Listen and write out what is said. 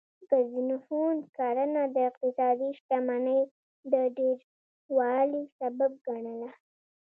ګزنفون کرنه د اقتصادي شتمنۍ د ډیروالي سبب ګڼله